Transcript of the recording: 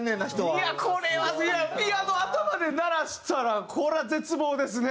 いやこれはピアノ頭で鳴らしたらこれは絶望ですね。